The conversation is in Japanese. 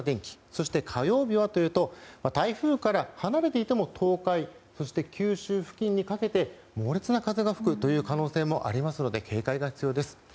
そして、火曜日は台風から離れていても東海、九州付近にかけて猛烈な風が吹く可能性もありますので警戒が必要です。